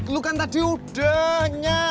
lu kan tadi udahnya